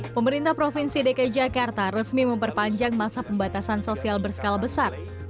pemerintah provinsi dki jakarta resmi memperpanjang masa pembatasan sosial berskala besar